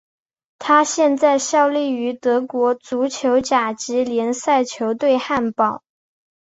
他现在效力于德国足球甲级联赛球队汉堡。